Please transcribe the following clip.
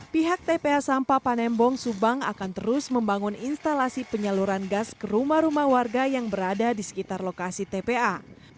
pihak tpa sampah panembong subang akan terus membangun instalasi penyaluran gas ke rumah rumah warga yang berada di sekitar lokasi tpa